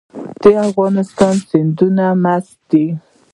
د افغانستان سیندونه مست دي